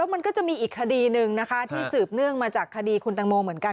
มันก็จะมีอีกคดีหนึ่งนะคะที่สืบเนื่องมาจากคดีคุณตังโมเหมือนกัน